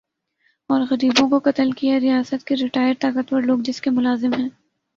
اور غریبوں کو قتل کیا ریاست کے ریٹائر طاقتور لوگ جس کے ملازم ھیں